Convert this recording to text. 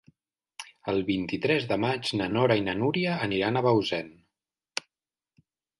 El vint-i-tres de maig na Nora i na Núria aniran a Bausen.